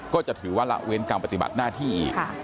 ก็จะถือว่าละเว้นการปฏิบัติหน้าที่อีก